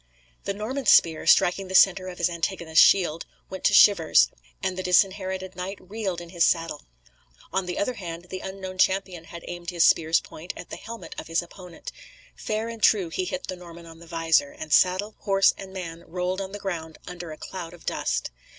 The Norman's spear, striking the centre of his antagonist's shield, went to shivers, and the Disinherited Knight reeled in his saddle. On the other hand, the unknown champion had aimed his spear's point at the helmet of his opponent. Fair and true he hit the Norman on the visor, and saddle, horse, and man rolled on the ground under a cloud of dust.